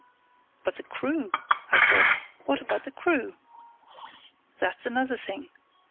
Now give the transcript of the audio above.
"But the crew?" I said; "what about the crew?" "That's another thing.